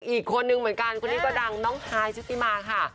อีกคนนึงเหมือนกันคนนี้ก็ดังน้องฮายชุติมาค่ะ